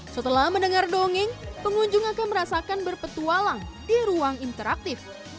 setelah mendengar dongeng pengunjung akan merasakan berpetualang di ruang interaktif